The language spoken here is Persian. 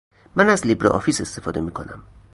من از لیبره آفیس استفاده میکنم